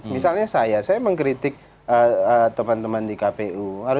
misalnya saya saya mengkritik teman teman di kpu